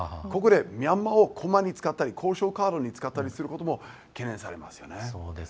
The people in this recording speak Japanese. ここでミャンマーをこまに使ったり交渉カードに使ったりすることも懸念されますよね。